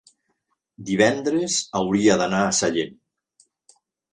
divendres hauria d'anar a Sallent.